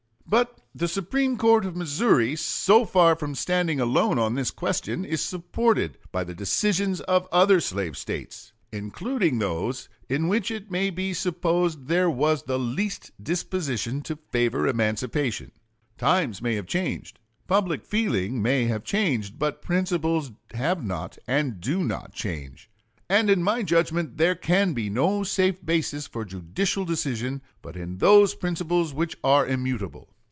But the Supreme Court of Missouri, so far from standing alone on this question, is supported by the decisions of other slave States, including those in which it may be supposed there was the least disposition to favor emancipation. [Citing cases.] ... Times may have changed, public feeling may have changed, but principles have not and do not change; and in my judgment there can be no safe basis for judicial decision but in those principles which are immutable.